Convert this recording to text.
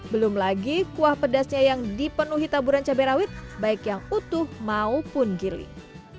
belum lagi kuah pedasnya yang dipenuhi taburan cabai rawit baik yang utuh maupun giling